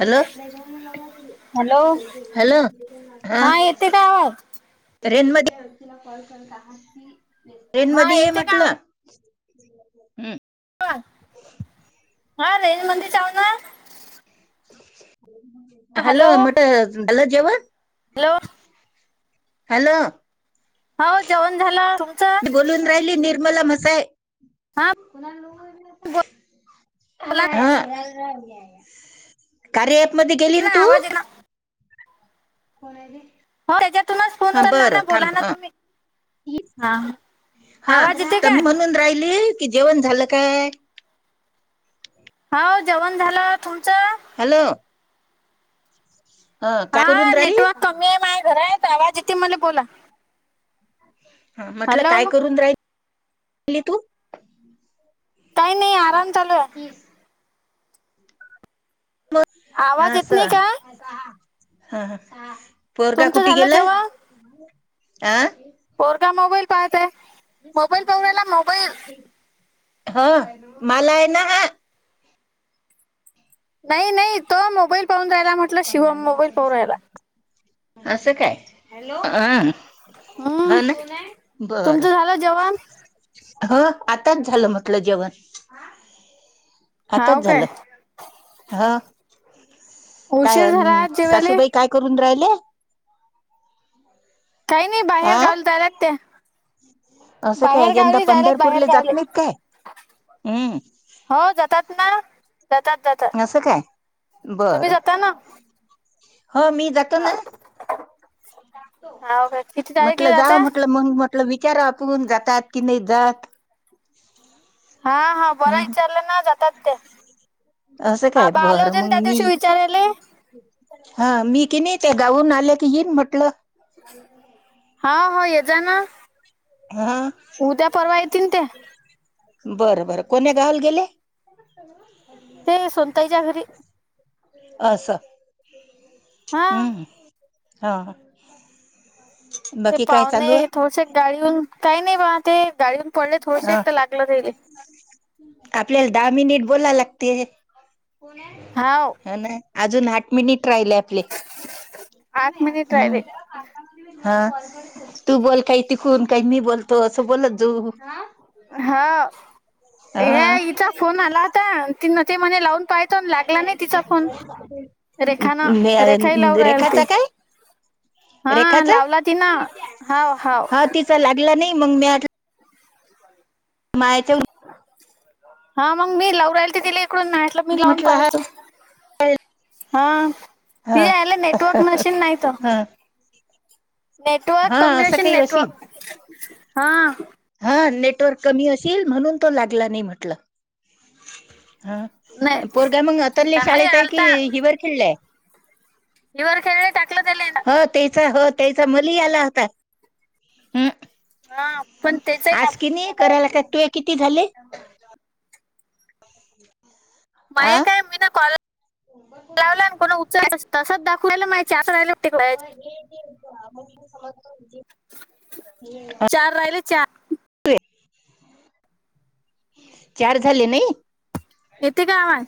Hello! Hello hello हा! येते का आवाज रेंज मध्ये रेन हा मध्ये ये येते का म्हटलं. हूं! हो हा रेंज मंदी जाऊ ना. हॅलो म्हट झाल जेवन. हॅलो! हॅलो! हो जेवण झालं तुमच? मला मसाय [unintelligible] बोला ना आवाज येत ना [inaudible] कोण आहेे हो त्याच्यातूनच फोन करा ना बोला ना हा तुम्ही! हा हा आवाज येते तर का मी म्हणून राहिली कि जेवण झालं काय हो जेवण झालं तुमचं हालो! हा राहिली नेटवर्क कमी आहे, माया घरात आवाज येते मले बोला ह म्हटलं काय हॅलो करून राहील तू? काही नाही आराम. चालू आहे तीस. आवाज येत आस नाही का हा हा! पोरग तुमचं कुठी झालं गेला जेवण आ. पोरगा मोबाईल पाहतय. ह माला आहे ना हा. नाही, नाही, तो मोबाईल पाहून राहायला म्हटलं शिवम मोबाईल पाहू राहायला. असं काय हॅलो अं. हम्म ह ना बर! तुमचं झालं जेवण? ह आताच झालं, म्हटलं जेवण. आताच हाव काय? झालं ह! काय उशीर अ झाला आज जेवायले सासूबाई काय करून राहिल्या? काही नाही बाहेर गावल जायलात त्या. असं काय बाहेर यंदा गावी जायलेत बाहेर पंढरपूरला जात गावले नाहीत काय हम्म हो जातात ना. जातात, जातात असं काय तुमी बरं जाता ना? हो मी जातो हा ना. हाव काय किती तारीखला म्हटलं जा जाता? म्हटलं, मंग म्हटलं विचारा आपून जातात की नही जात हा हा बरा हम्म विचारलं ना जातात त्या. असं काय आबा आले बरं होते ना मंग मी दिवशी विचारायले. हा मी कि नाही ते गाववून आले की येईन म्हटलं. हा हा हो येत जा ना हा उद्या परवा येतीन त्या बरं बरं कोण्या गावल गेले ते सोनताईच्या घरी अस हा हम हा हा! ते पाहुणे थोडसे गाळीऊन काय नाही बा. ते गाडीहून पडले थोडसे अ एकटं लागलं तेले. आपल्याला दहा मिनिट बोला लाग अज हाव आ मि. राहिले आपले. आठ मिनिट हम् राहिले हा तू बोल काय त. खून काही मी बोलतो असं बोलत जाु. हा ह्या हिचा फोन आला होता ति न ते म्हणे लावून. पाहतो लागला नाही तिचा फोन. रेखानं रेखाही लावू राहिल ती रेखाचा काय? हा रेखा लावला तिनं. हाव हाव ह तिच लागलं नाही. मंगण्या ह मायच. हा मग मी लव राहिल त तिला इकडून नाहीलं मी लावून म्हटलं हा पाहतो. हा ति हा याला नेटवर्क मशीन नाहीत. हा नेटवर्क हा असं कम्यनेशन काही अशील नेटवक हा. अ नेटवर्क कमी असिल म्हणून तो लागला नाही म्हटल. हा नाही. पोरगा मंग अतलय शाळेत हा आहे की हिवरखेड ले हाय? हिवरखेडे टाकले तेले हो त्याचा हो त्याचा मुली आला होता ह हा पण त्याचाही आज लागून कि नी गेला करायला वाटतं. काय तुये किती झाले. माही आ काय मी ना कॉल लावला कोणा उ तसच दाखवायला मा च. अ हे आ स. [inaudible] चार राहिले चार चार झाले नाही. येथ का आवाज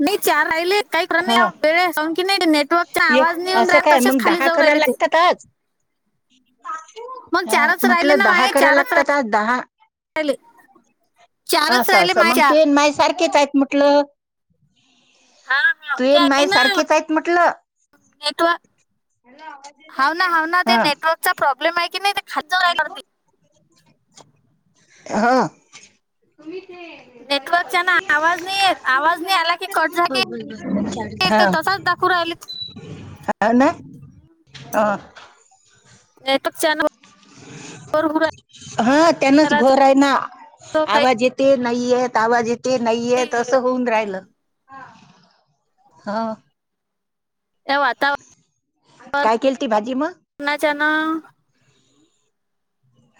नाहीचार राहिले काही हा बळे संख न नेट ये असं काय मग दहा करा ते लागतातच. मग ह चारच राहिले म्हटलं ना दहा माये करा चारच लागतात आज दहा. राहिले चारच राहिले अस माये मग चार तु माझ स च आहेत म्हटल हा हा तु नाही सारखेच आहेत म्हटलं. नेव ह ना ह ना हा नेटवर्कचा प्रब् आपली माहिती नाही ते खाच रायला. हा. ब नेटवर्कचा ना आवाज नाही येत आवाज नाही आला की कट झाला की हा. ते तसाच दाखवू राहिले ह नाय हा. एकचा [inaudible] हा त्यांनाच घर आहे ना आवाज येते. नाहीयेत आवाज यथे काही नाहीयेत असं होऊन राहिलं. हा. ह्या वाता काय केलती भाजी? मग करना च ना.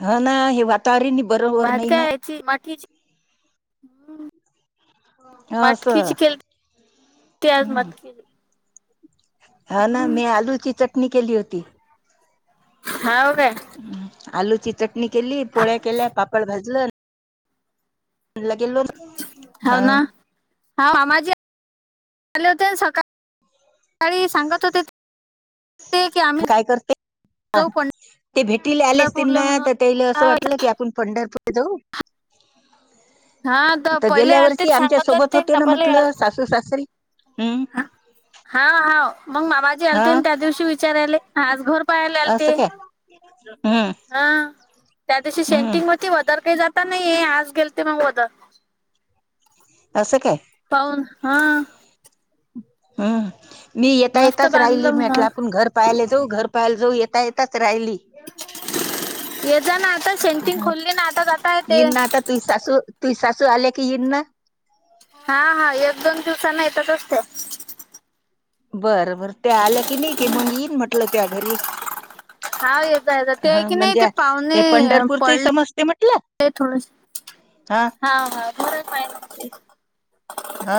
हा ना हे वातवारी नि. भात काय याची माठीची. असं मटकीची केल आज हम्म मटकीली. हा ना मी आलूची चटणी केली होती. हव का. आलूची चटणी केली पोळ्या केल्या पापड भाजलं. [inaudible] हो हा ना माझी. ले होते सका [inaudible] सकाळी सांगत होते. ते की आम्ही काय करते. ह जाऊ ते भेटीले आलेस तन पंढरपूरले म्हणून तर त्याला असं हाव, वाटलं की आपण पंढरपूर जाऊ हा तर पहिले गेल्या आलते वर्षी आमच्या सांगत जात सोबत ते होते ना डबल म्हटलं सासू सासरे हा हा मग मा माझी हा अलतीन त्या दिवशी विचारायले. आज घर पाहायला आल असं ते काय हम्म हा त्या दिवशी हम्म शेंटिंग म वार काही जात. नाही आज गेल ते मग वद अस काय? पाहन हा हम्म मी येता मस्त येताच राहिली बांधलं म्हटलं म्हण आपण घर पायला जाऊ घर पायला जाऊ येता येताच. त राहिली. ये जा ना आता सेंटिंग ह खोलली ना आता जाता ये येते नाता तु सासू तु सासू आले की येईन ना. हा हा एक दोन [unintelligible] बर बर त्या आल्या की नाही कि मग येईन म्हटलं त्या घरी. हा येत येत ते आहे हा की नाही ते म्हणजे पाहुणे हे पंढरपूरचही पडले. समजते म्हटलं ते थोडं हा हा मा. हा